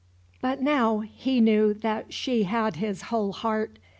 But now he knew that she had his whole heart.